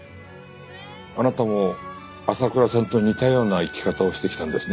あなたも朝倉さんと似たような生き方をしてきたんですね。